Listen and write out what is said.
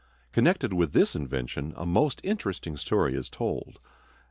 Connected with this invention a most interesting story is told.